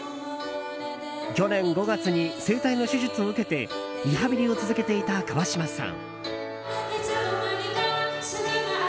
去年５月に声帯の手術を受けてリハビリを続けていた川嶋さん。